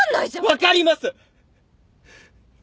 分かります！